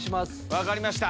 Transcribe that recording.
分かりました。